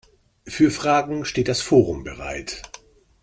Für Fragen steht das Forum bereit.